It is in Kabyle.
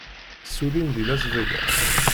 Ssullin deg Las Vegas.